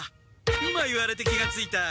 今言われて気がついた！